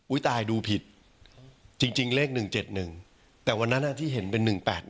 ตายดูผิดจริงเลข๑๗๑แต่วันนั้นที่เห็นเป็น๑๘๑